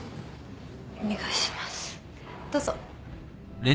どうぞ。